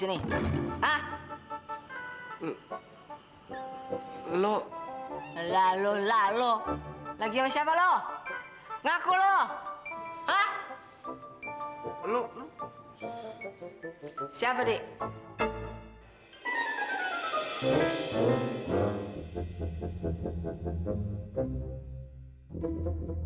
itu barang barang busuk loh